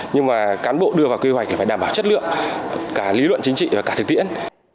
nhưng mà cán bộ đưa vào quy hoạch là phải đảm bảo chất lượng cả lý luận chính trị và cả thực tiễn